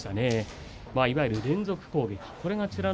いわゆる連続攻撃が美ノ